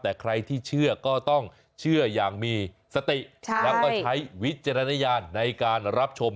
แต่ใครที่เชื่อก็ต้องเชื่ออย่างมีสติแล้วก็ใช้วิจารณญาณในการรับชม